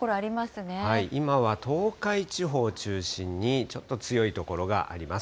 今は東海地方を中心に、ちょっと強い所があります。